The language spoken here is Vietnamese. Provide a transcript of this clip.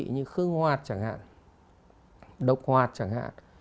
như khương hoạt chẳng hạn độc hoạt chẳng hạn